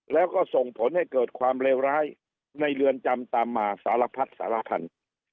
แล้วก็ส่งผลให้เกิดความเลวร้ายในเรือนจำตามมาสารพัดสารคัน